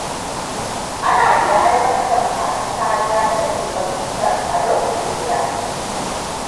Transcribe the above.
Ana iya aiwatar da matakan kariya da ragewar cutan a lokaci guda.